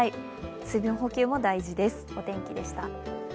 水分補給も大事です。